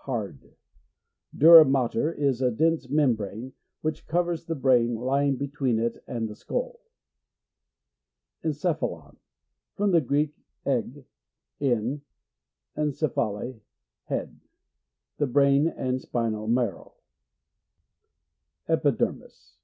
Hard. Dura mater is a dense membrane, which covers the brain, lying between it and the skull. Enckphalon. — From the Greek, eg, in, and kephale, head. The brain and spinal marrow. Epidermis.